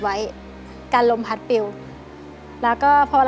ทั้งในเรื่องของการทำงานเคยทำนานแล้วเกิดปัญหาน้อย